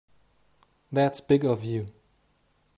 That's big of you.